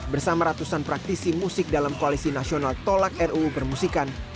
bersama ratusan praktisi musik dalam koalisi nasional tolak ruu permusikan